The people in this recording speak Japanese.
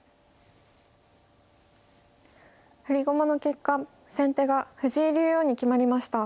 振り駒の結果先手が藤井竜王に決まりました。